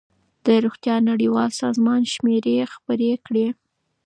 د روغتیا نړیوال سازمان شمېرې خپرې کړې.